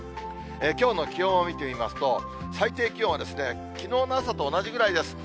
きょうの気温を見てみますと、最低気温はきのうの朝と同じぐらいです。